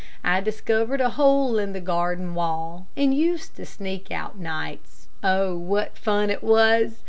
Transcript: I discovered a hole in the garden wall, and used to sneak out nights. Oh, what fun it was.